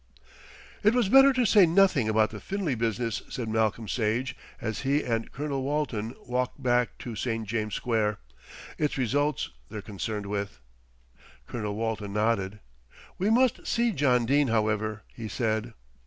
"It was better to say nothing about the Finlay business," said Malcolm Sage, as he and Colonel Walton walked back to St. James's Square. "It's results they're concerned with." Colonel Walton nodded. "We must see John Dene, however," he said.